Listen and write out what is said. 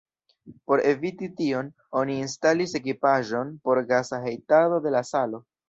Por eviti tion, oni instalis ekipaĵon por gasa hejtado de la salo.